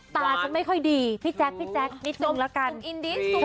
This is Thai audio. ตาฉันไม่ค่อยดีพี่แจ๊คพี่แจ๊คนิดนึงละกัน